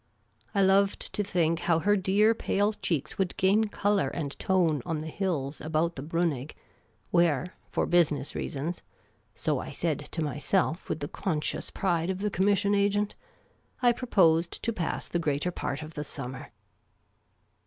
I loved to think how her dear, pale cheeks would gain colour and tone on the hills about the Briinig, where, for1)usiness reasons (so I said to myself with the con scious pride of the commission agent), I proposed to pass the greater part of the sunmier.